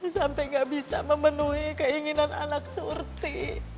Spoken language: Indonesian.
sampai gak bisa memenuhi keinginan anak surti